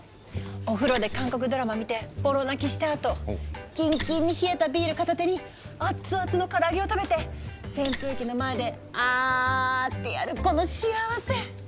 お風呂で韓国ドラマ見てボロ泣きしたあとキンキンに冷えたビール片手にアッツアッツの唐揚げを食べて扇風機の前で「あ」ってやるこの幸せ。